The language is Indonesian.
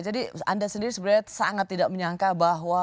jadi anda sendiri sebenarnya sangat tidak menyangka bahwa